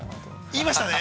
◆言いましたね。